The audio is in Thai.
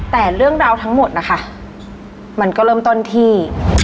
แต่เรื่องราวทั้งหมดนะคะมันก็เริ่มต้นที่